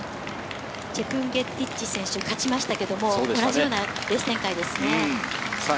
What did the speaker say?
チェプンゲティッチ選手が勝ちましたけど、同じようなレース展開ですね。